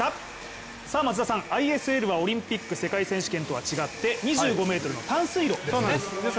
ＩＳＬはオリンピック世界選手権と違って２５ｍの短水路なんですね。